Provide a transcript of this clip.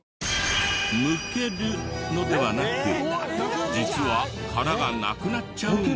むけるのではなく実は殻がなくなっちゃうんです。